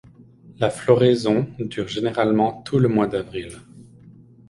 La floraison dure généralement tout le mois d'avril.